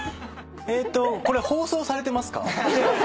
これ放送されてますか？